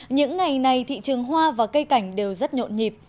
những ngày này thị trường hoa và cây cảnh đều rất nhộn nhịp